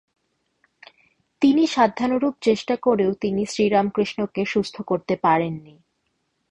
তিনি সাধ্যানুরূপ চেষ্টা করেও তিনি শ্রীরামকৃষ্ণকে সুস্থ করতে পারেন নি।